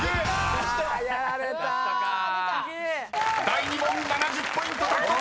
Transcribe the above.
［第２問７０ポイント獲得！］